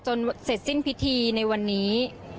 เสร็จสิ้นพิธีในวันนี้